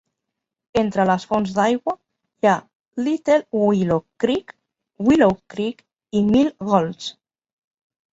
Entre les fonts d'aigua hi ha Little Willow Creek, Willow Creek i Mill Gulch.